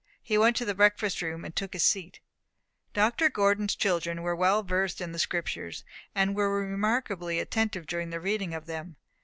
He went to the breakfast room, and took his seat. Dr. Gordon's children were well versed in the Scriptures, and were remarkably attentive during the reading of them.